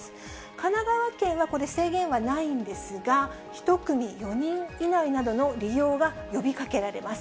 神奈川県はこれ、制限はないんですが、１組４人いないなどの利用が呼びかけられます。